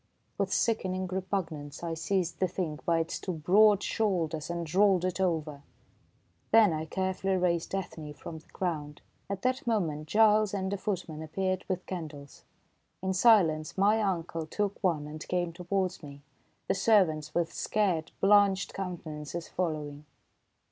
With sickening repugnance, I seized the Thing by its two broad shoulders and rolled it over. Then I carefully raised Ethne from the ground. At that moment Giles and a footman appeared with candles. In silence my uncle took one and came towards me, the servants with scared, blanched countenances following.